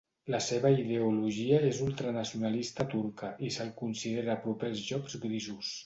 La seva ideologia és ultranacionalista turca i se'l considera proper als Llops Grisos.